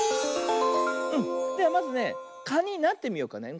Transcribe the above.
ではまずねかになってみようかね。